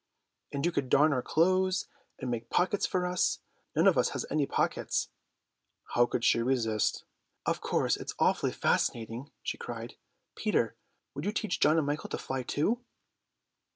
"And you could darn our clothes, and make pockets for us. None of us has any pockets." How could she resist. "Of course it's awfully fascinating!" she cried. "Peter, would you teach John and Michael to fly too?"